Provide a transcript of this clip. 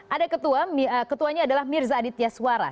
ada ketuanya adalah mirza aditya suara